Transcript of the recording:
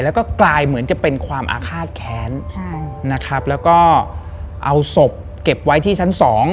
แล้วก็กลายเหมือนจะเป็นความอาฆาตแค้นใช่นะครับแล้วก็เอาศพเก็บไว้ที่ชั้นสอง